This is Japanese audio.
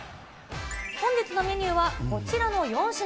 本日のメニューは、こちらの４品。